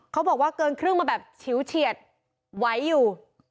บอกว่าเกินครึ่งมาแบบฉิวเฉียดไหวอยู่